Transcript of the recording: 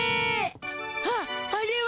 ああれは。